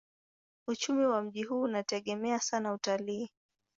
Uchumi wa mji huu unategemea sana utalii.